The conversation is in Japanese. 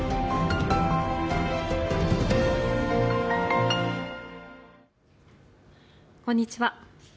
こんにちは。